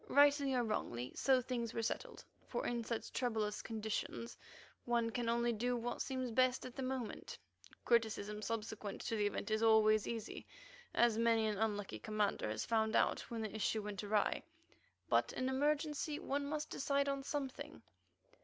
Rightly or wrongly, so things were settled, for in such troublous conditions one can only do what seems best at the moment. Criticism subsequent to the event is always easy, as many an unlucky commander has found out when the issue went awry, but in emergency one must decide on something.